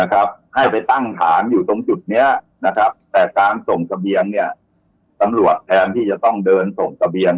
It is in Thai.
ได้ให้การส่งทะเบียงเนี่ยตำรวจแทนที่จะต้องเดินส่งทะเบียง